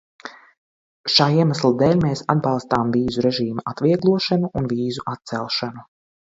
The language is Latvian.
Šā iemesla dēļ mēs atbalstām vīzu režīma atvieglošanu un vīzu atcelšanu.